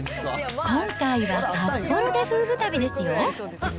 今回は札幌で夫婦旅ですよ。